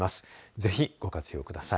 ぜひご活用ください。